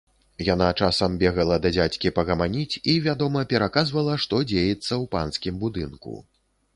Яна часам бегала да дзядзькі пагаманіць і, вядома, пераказвала, што дзеецца ў панскім будынку.